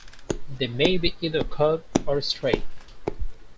They may be either curved or straight.